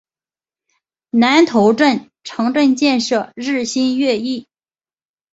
南头镇城镇建设日新月异。